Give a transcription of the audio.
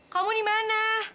kamu di mana